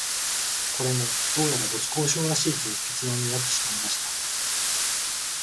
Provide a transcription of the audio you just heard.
これも、どうやら没交渉らしいという結論になってしまいました